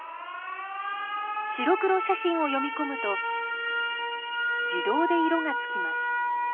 白黒写真を読み込むと自動で色がつきます。